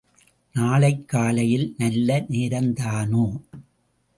நாளைக் காலையில் நல்ல நேரந்தானோ?